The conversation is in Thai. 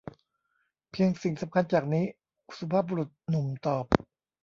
เพียงสิ่งสำคัญจากนี้ สุภาพบุรุษหนุ่มตอบ